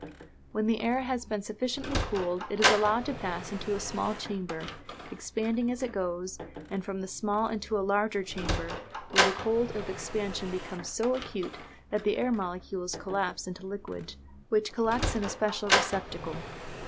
When the air has been sufficiently cooled it is allowed to pass into a small chamber, expanding as it goes, and from the small into a larger chamber, where the cold of expansion becomes so acute that the air molecules collapse into liquid, which collects in a special receptacle.